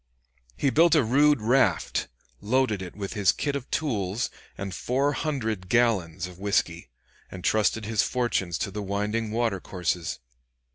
He built a rude raft, loaded it with his kit of tools and four hundred gallons of whisky, and trusted his fortunes to the winding water courses.